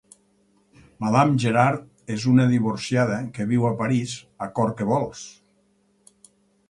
Madame Gerard és una divorciada que viu a París a cor què vols.